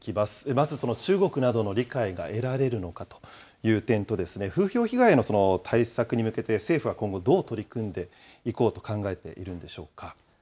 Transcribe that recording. まずその中国などの理解が得られるのかという点と、風評被害への対策に向けて、政府は今後、どう取り組んでいこうと考えているんでしょうか。